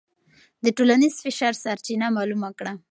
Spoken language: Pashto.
د ټولنیز فشار سرچینه معلومه کړه.